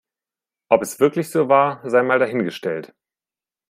Ob es wirklich so war, sei mal dahingestellt.